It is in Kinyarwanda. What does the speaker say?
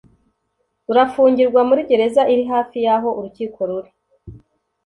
urafungirwa muri gereza iri hafi yaho urukiko ruri.